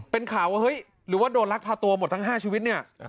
เป็นข่าวว่าเฮ้ยหรือว่าโดนลักพาตัวหมดทั้ง๕ชีวิตเนี่ย